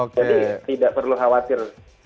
jadi tidak perlu khawatir